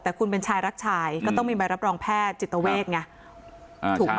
แต่คุณเป็นชายรักชายก็ต้องมีใบรับรองแพทย์จิตเวทไงถูกไหม